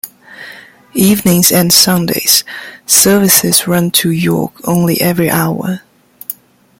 Evenings and Sundays, services run to York only every hour.